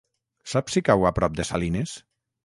Saps si cau a prop de Salines?